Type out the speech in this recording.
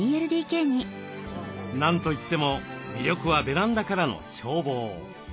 何と言っても魅力はベランダからの眺望。